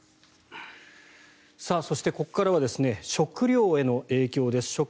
そして、ここからは食料への影響です。